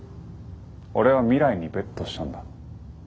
俺は未来にベットしたんだ。